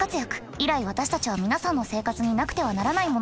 以来私たちは皆さんの生活になくてはならないものでした。